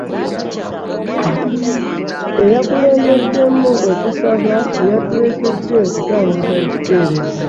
Eyakulembeddemu okusba ye yatuleetedde okutandika ekikeerezi.